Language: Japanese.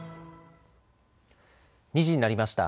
２時になりました。